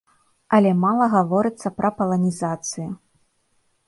Але мала гаворыцца пра паланізацыю.